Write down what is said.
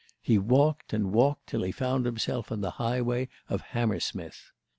He walked and walked till he found himself on the highway of Hammersmith.